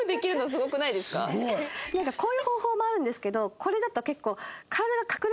すごい！こういう方法もあるんですけどこれだと結構。